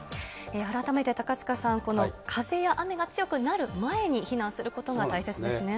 改めて高塚さん、この風や雨が強くなる前に避難することが大切ですね。